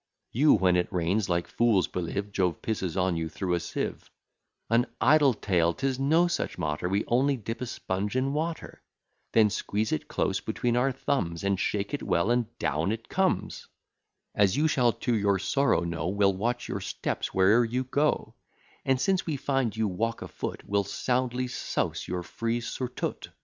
You, when it rains, like fools, believe Jove pisses on you through a sieve: An idle tale, 'tis no such matter; We only dip a sponge in water, Then squeeze it close between our thumbs, And shake it well, and down it comes; As you shall to your sorrow know; We'll watch your steps where'er you go; And, since we find you walk a foot, We'll soundly souse your frieze surtout.